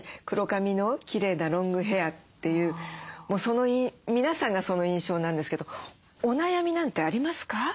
黒髪のきれいなロングヘアというもう皆さんがその印象なんですけどお悩みなんてありますか？